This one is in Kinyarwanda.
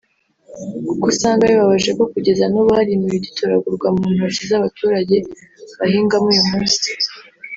kuko usanga bibabaje ko kugeza nubu hari imibiri igitoragurwa mu ntoki z’abaturage bahingamo uyu munsi